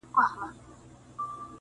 • نه عمرونه مو کمیږي تر پېړیو -